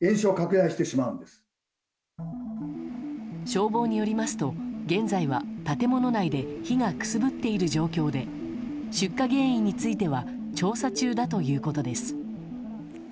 消防によりますと現在は建物内で火がくすぶっている状況で出火原因については調査中だということです。